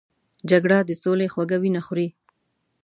جګړه د سولې خوږه وینه خوري